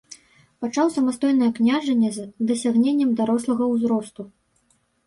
Пачаў самастойнае княжанне з дасягненнем дарослага ўзросту.